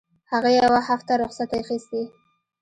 هغې يوه هفته رخصت اخيستى.